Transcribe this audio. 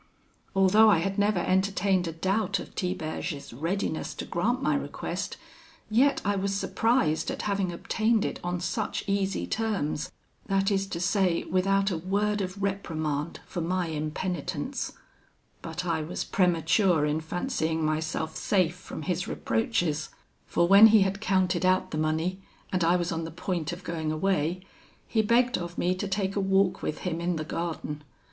"Although I had never entertained a doubt of Tiberge's readiness to grant my request, yet I was surprised at having obtained it on such easy terms, that is to say, without a word of reprimand for my impenitence; but I was premature in fancying myself safe from his reproaches, for when he had counted out the money, and I was on the point of going away, he begged of me to take a walk with him in the garden.